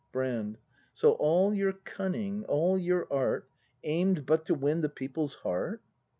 Brand. So all your cunning, all your art, Aim'd but to win the people's heart?